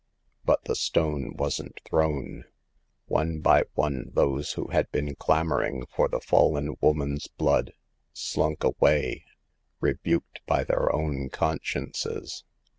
But the stone wasn't thrown. One by one those who had been clamoring for the fallen woman's blood, slunk away, rebuked by their own con sciences.